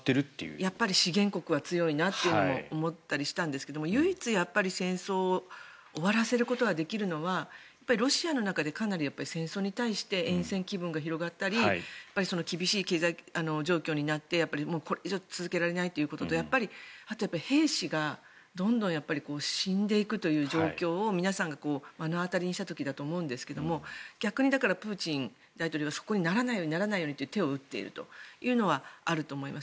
やっぱり資源国は強いなというのも思ったりしたんですが唯一、戦争を終わらせることができるのはロシアの中でかなり戦争に対してえん戦気分が広がったり厳しい経済状況になってもうこれ以上続けられないということとあとは兵士がどんどん死んでいくという状況を皆さんが目の当たりにした時だと思うんですが逆にだからプーチン大統領がそこにならないようにならないようにと手を打っているというのはあると思います。